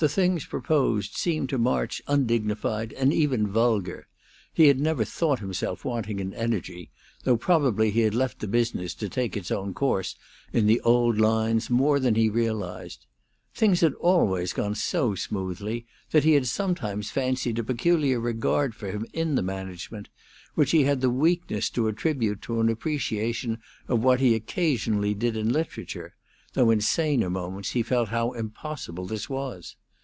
The things proposed seemed to March undignified, and even vulgar; he had never thought himself wanting in energy, though probably he had left the business to take its own course in the old lines more than he realized. Things had always gone so smoothly that he had sometimes fancied a peculiar regard for him in the management, which he had the weakness to attribute to an appreciation of what he occasionally did in literature, though in saner moments he felt how impossible this was.